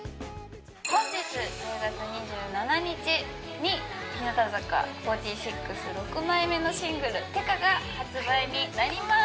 本日１０月２７日に日向坂４６６枚目のシングル「ってか」が発売になります